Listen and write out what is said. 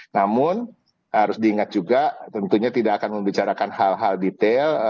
namun harus diingat juga tentunya tidak akan membicarakan hal hal detail